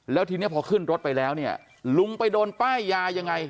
แล้วทีนี้พอขึ้นรถไปแล้วเนี่ยลุงไปโดนป้ายยายังไง